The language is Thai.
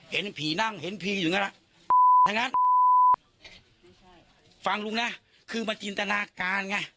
เห็นผีนั่งเห็นผีอยู่นั่นแหละฟังลุงนะคือมันจินตนาการไง